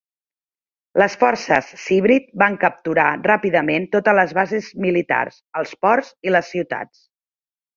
Les forces Cybrid van capturar ràpidament totes les bases militars, els ports i les ciutats.